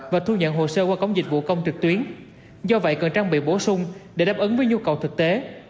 và thu nhận hồ sơ qua cổng dịch vụ công trực tuyến do vậy cần trang bị bổ sung để đáp ứng với nhu cầu thực tế